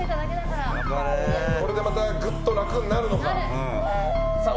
これでまたぐっと楽になるのか。